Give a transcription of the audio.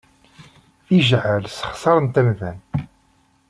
Tijeɛɛal ssexṣaren-t amdan.